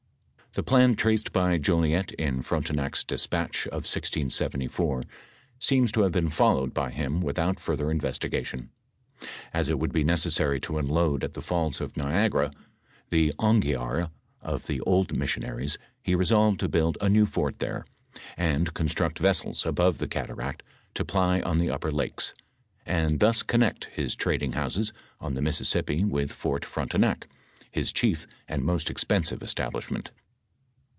The plan traced by Jolliet in Frontenac's despatch of 1674, seems to have been followed by him without further investigation. As it would be necessary to unload at the falls of Niagara, the Onghiara, of the old missionaries, he re solved to build a new fort there, and construct vessels above the cataract to ply on the upper lakes, and thus connect his trading houses on the Mississippi with Fort Frontenac, his chief and most expensive establishment.